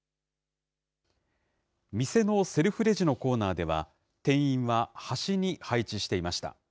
店のセルフレジのコーナーでは、店員は端に配置していました。